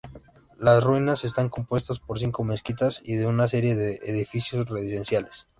Las ruinas están compuestas por cinco mezquitas y de una serie de edificios residenciales.